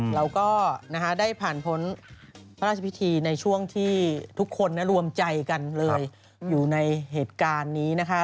เราก็ได้ผ่านพ้นพระราชพิธีในช่วงที่ทุกคนรวมใจกันเลยอยู่ในเหตุการณ์นี้นะคะ